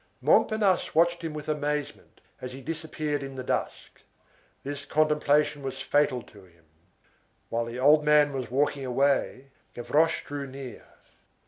Montparnasse watched him with amazement, as he disappeared in the dusk. This contemplation was fatal to him. While the old man was walking away, Gavroche drew near.